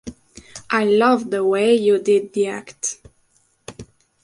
I love the way you did the act.